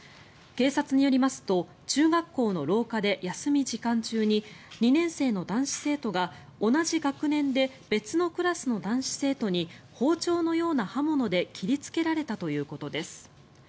警察によりますと中学校の廊下で休み時間中に２年生の男子生徒が、同じ学年で別のクラスの男子生徒に包丁のような刃物で切りつけられたということです。